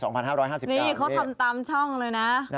นี่เขาทำตามช่องเลยนะ